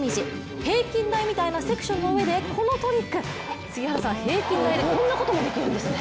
平均台みたいなセクションの上でこのトリック、杉原さん、平均台でこんなこともできるんですね。